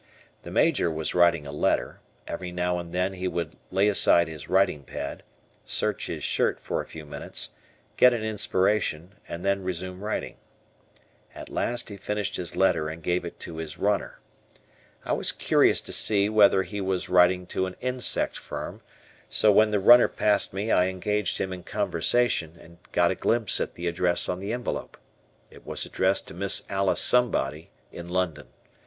The major was writing a letter; every now and then he would lay aside his writing pad, search his shirt for a few minutes, get an inspiration, and then resume writing. At last he finished his letter and gave it to his "runner." I was curious to see whether he was writing to an insect firm, so when the runner passed me I engaged him in conversation and got a glimpse at the address on the envelope. It was addressed to Miss Alice Somebody, in London.